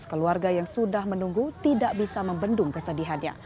keluarga yang sudah menunggu tidak bisa membendung kesedihannya